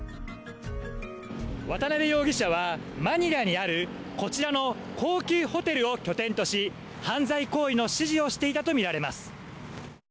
渡辺容疑者は、マニラにあるこちらの高級ホテルを拠点とし犯罪行為の指示をしていたとみられます。